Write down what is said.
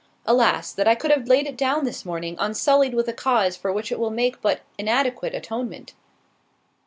Alas! that I could have laid it down this morning, unsullied with a cause for which it will make but inadequate atonement."